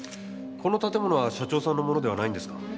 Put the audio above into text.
この建物は社長さんのものではないんですか？